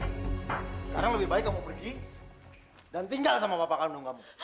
sekarang lebih baik kamu pergi dan tinggal sama bapak kandung kamu